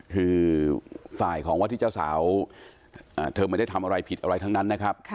คือฝ่ายของวัดที่เจ้าสาวเธอไม่ได้ทำอะไรผิดอะไรทั้งนั้นนะครับ